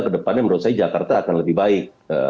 kedepannya menurut saya jakarta akan lebih baik